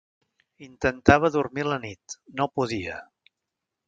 Intentava dormir a la nit, no podia.